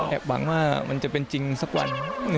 หวังว่ามันจะเป็นจริงสักวัน